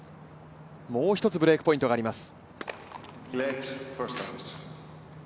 もう一つブレークポイントがあります。